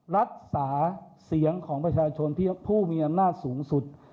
รักษาเสียงของประชาชนที่ผู้มีอำนาจสูงสุด